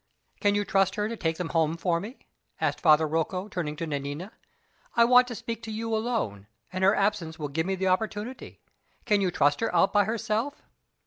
"Can you trust her to take them home for me?" asked Father Rocco, turning to Nanina. "I want to speak to you alone, and her absence will give me the opportunity. Can you trust her out by herself?"